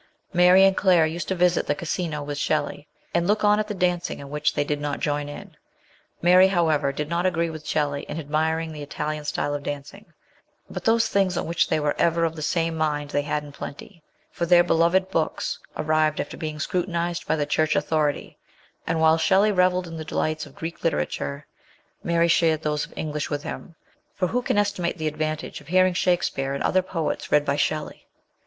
Mary and Claire used to visit the Casino with Shelley, and look on at the dancing in which they did not join. Mary, however, did not agree with Shelley in admiring the Italian style of dancing ; but those things on which they were ever of the same mind they had in plenty, for their beloved books arrived after being scrutinised by the Church authority ; and while 9 130 MRS. SHELLEY. Shelley revelled in the delights of Greek literature, Mary shared those of English with him, for who can estimate the advantage of hearing Shakespeare and other poets read by Shelley